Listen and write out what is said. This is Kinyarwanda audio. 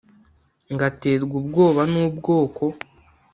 ngaterwa ubwoba n'ubwoko